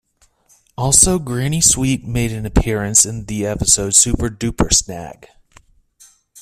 Also, Granny Sweet made an appearance in the episode Super Duper Snag.